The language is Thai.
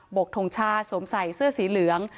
กทงชาสวมใส่เสื้อสีเหลือง